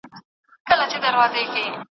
که ته ولسمشر وې نو څه به دې کړي وای؟